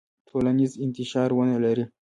ټولنیز انتشار ونلري.